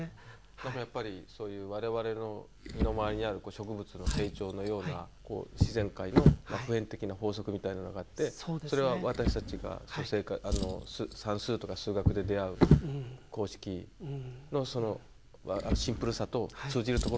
なんかやっぱりそういう我々の身の回りにある植物の成長のような自然界の普遍的な法則みたいなのがあってそれは私たちが算数とか数学で出会う公式のそのシンプルさと通じるところがあるっていう。